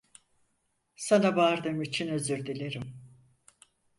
Sana bağırdığım için özür dilerim.